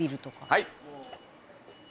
はい。